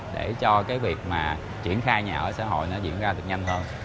để cho cái việc mà triển khai nhà ở xã hội nó diễn ra được nhanh hơn